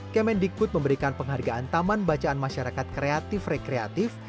kemendikbud memberikan penghargaan taman bacaan masyarakat kreatif rekreatif